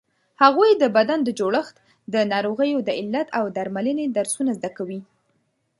هغوی د بدن د جوړښت، د ناروغیو د علت او درملنې درسونه زده کوي.